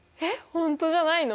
本当じゃないの？